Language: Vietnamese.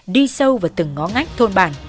đi sâu vào từng ngõ ngách thôn bàn